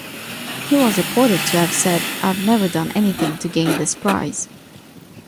He was reported to have said, I've never done anything to gain this prize.